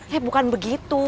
ya bukan begitu